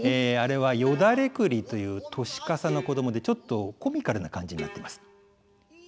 あれは「よだれくり」という年かさの子供でちょっとコミカルな感じになってます。